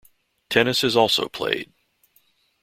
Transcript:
Tennis is also played.